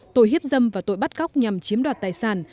tội hiếp dâm và tội bắt cóc nhằm chiếm đoạt tài sản